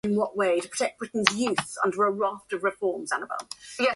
Parts of this do appear to be contemporary with Aneirin.